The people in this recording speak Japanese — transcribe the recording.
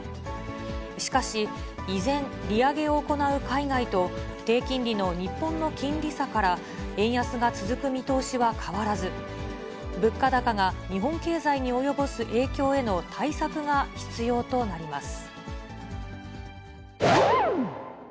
しかし、依然、利上げを行う海外と、低金利の日本の金利差から、円安が続く見通しは変わらず、物価高が日本経済に及ぼす影響への対策が必要となります。